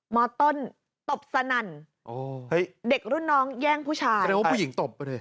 มต้นตบสนั่นเด็กรุ่นน้องแย่งผู้ชาญหนะในว่าผู้หญิงตบง่ะเนี่ย